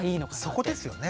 そこですよね。